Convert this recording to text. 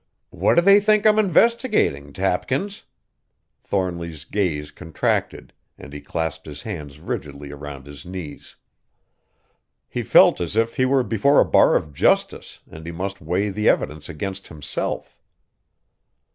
"What do they think I'm investigating, Tapkins?" Thornly's gaze contracted, and he clasped his hands rigidly around his knees. He felt as if he were before a bar of justice and he must weigh the evidence against himself.